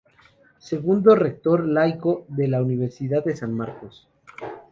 Segundo rector laico de la Universidad de San Marcos.